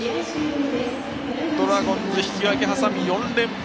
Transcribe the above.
ドラゴンズ引き分けを挟み４連敗。